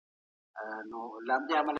دا ډیزاین تر ټولو عصري دی.